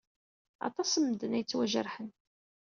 Aṭas n medden ay yettwajerḥen.